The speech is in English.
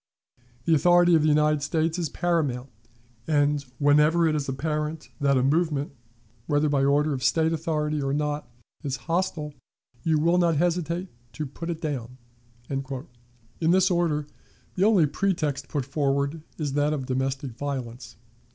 ... The authority of the United States is paramount, and, whenever it is apparent that a movement, whether by order of State authority or not, is hostile, you will not hesitate to put it down." In this order the only pretext put forward is that of domestic violence.